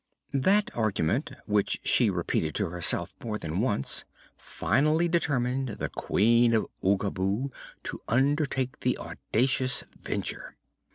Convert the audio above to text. This argument, which she repeated to herself more than once, finally determined the Queen of Oogaboo to undertake the audacious venture.